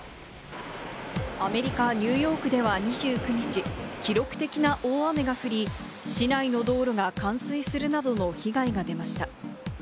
アメリカ・ニューヨークでは２９日、記録的な大雨が降り、市内の道路が冠水するなどの被害が出ました。